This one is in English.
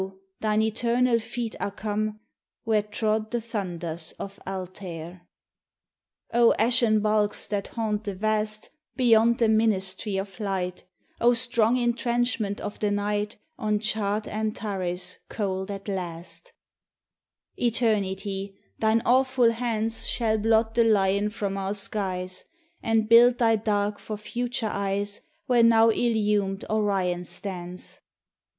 thine eternal feet are come Where trod the thunders of Altair. O ashen bulks that haunt the Vast, Beyond the ministry of Light! O strong intrenchment of the Night On charred Antares cold at last! THE TESTIMONY OF THE SUNS. Eternity! thine awful hands Shall blot the Lion from our skies, And build thy dark for future eyes Where now illumed Orion stands.